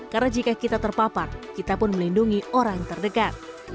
karena jika kita terpapar kita pun melindungi orang terdekat